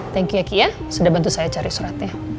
thank you ya kia sudah bantu saya cari suratnya